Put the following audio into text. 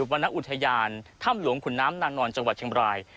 วรรณอุทยานถ้ำหลวงขุนน้ำนางนอนจังหวัดเชียงบราย